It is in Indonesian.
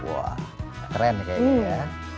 wah keren kayaknya